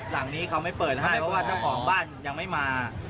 หลังนี้เขาไม่เปิดให้เพราะว่าเจ้าของบ้านยังไม่มา